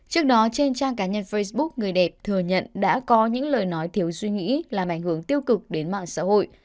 trước đó trên trang cá nhân facebook người đẹp thừa nhận đã có những lời nói thiếu suy nghĩ làm ảnh hưởng tiêu cực đến mạng xã hội